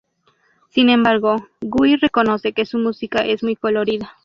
Sin embargo, Gui reconoce que su música es muy colorida.